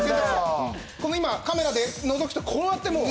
今カメラでのぞくとこうなってもう。